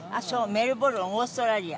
メルボルンオーストラリア。